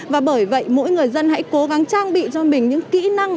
và bởi vậy mỗi người dân hãy cố gắng trang bị cho mình những kỹ năng